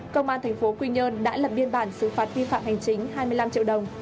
công an tp quy nhơn đã lập biên bản xử phạt vi phạm hành chính hai mươi năm triệu đồng